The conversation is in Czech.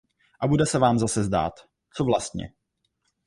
A bude se vám zase zdát – co vlastně?